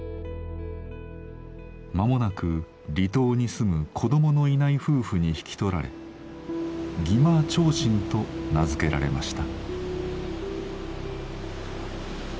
まもなく離島に住む子どものいない夫婦に引き取られ儀間長信と名付けられました。